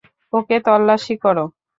ওকে তল্লাশি করো!